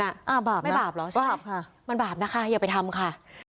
อ่าบาปไม่บาปเหรอบาปค่ะมันบาปนะคะอย่าไปทำค่ะ